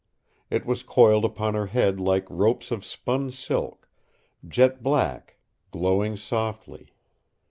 It was coiled upon her head like ropes of spun silk, jet black, glowing softly.